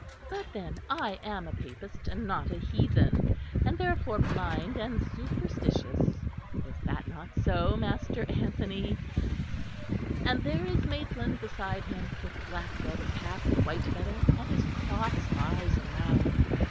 But then I am a Papist and not a heathen, and therefore blind and superstitious. Is that not so, Master Anthony?... And there is Maitland beside him, with the black velvet cap and the white feather, and his cross eyes and mouth.